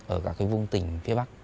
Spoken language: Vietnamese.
ở cả cái vùng tỉnh phía bắc